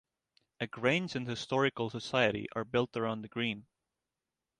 A grange and historical society are built around the green.